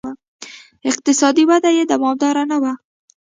اقتصادي وده یې دوامداره نه وه.